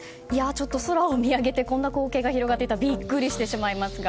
ちょっと空を見上げてこんな光景が広がっていたらビックリしてしまいますが。